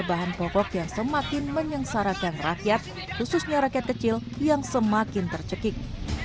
bahan pokok yang semakin menyengsarakan rakyat khususnya rakyat kecil yang semakin tercekik